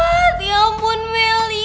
what ya ampun meli